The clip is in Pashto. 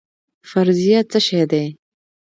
فرضیه څه شی دی؟